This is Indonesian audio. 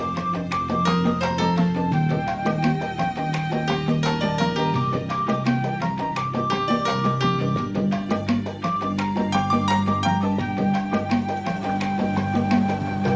terima kasih upset